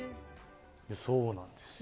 そうなんですよ。